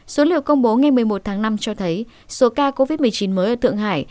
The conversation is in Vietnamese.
số liệu công bố ngày một mươi một tháng năm cho thấy số ca covid một mươi chín mới ở thượng hải